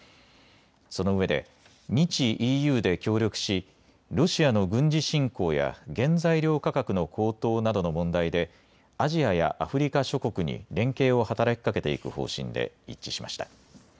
そのうえで日・ＥＵで協力しロシアの軍事侵攻や原材料価格の高騰などの問題でアジアやアフリカ諸国に連携を働きかけていく方針で一致しました。